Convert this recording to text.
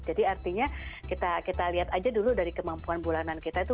jadi artinya kita lihat aja dulu dari kemampuan bulanan kita itu